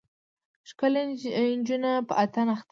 ښکلې نجونه په اتڼ اخته وې.